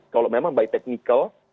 kalau memang buy technical